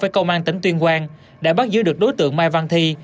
với công an tỉnh tuyên quang đã bắt giữ được đối tượng mai văn thi